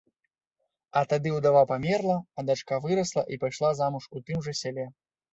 А тады ўдава памерла, а дачка вырасла і пайшла замуж у тым жа сяле.